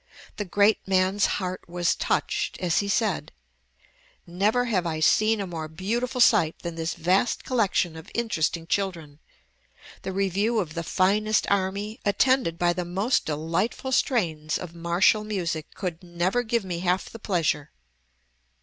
The great man's heart was touched as he said, "Never have I seen a more beautiful sight than this vast collection of interesting children. The review of the finest army, attended by the most delightful strains of martial music, could never give me half the pleasure."